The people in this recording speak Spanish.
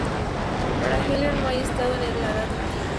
Para Heller "No hay Estado en la Edad Antigua".